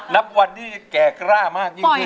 นับวันที่แก่กล้ามากยิ่งขึ้น